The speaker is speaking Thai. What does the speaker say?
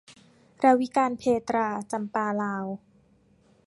รวิกาญจน์เภตรา - จำปาลาว